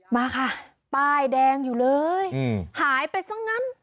มาค่ะป้ายแดงอยู่เลยหายไปซะงั้น